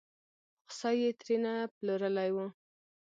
خوسی یې ترې نه پلورلی و.